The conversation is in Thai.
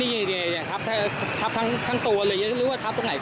ทรัพย์นี้อย่างไรทรัพย์ทั้งตัวหรือว่าทรัพย์ตรงไหนก่อน